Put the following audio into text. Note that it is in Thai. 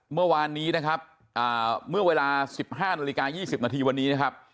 เมื่อวานนี้นะครับเมื่อเวลา๑๕นาฬิกา๒๐นาทีวันนี้นะครับ